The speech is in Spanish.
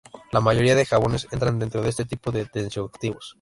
La mayoría de jabones entran dentro de este tipo de tensioactivos.